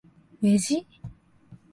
왜지?